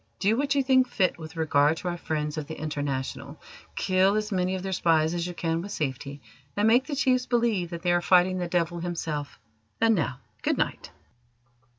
Do what you think fit with regard to our friends of the International. Kill as many of their spies as you can with safety, and make the chiefs believe that they are fighting the Devil himself. And now, good night."